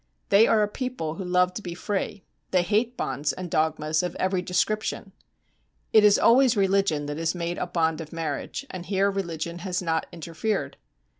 They are a people who love to be free: they hate bonds and dogmas of every description. It is always religion that has made a bond of marriage, and here religion has not interfered.